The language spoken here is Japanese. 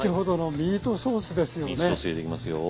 ミートソース入れていきますよ。